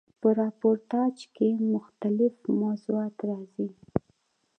په راپورتاژ کښي مختلیف موضوعات راځي.